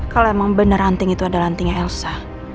kalau emang bener anting itu adalah antingnya elsa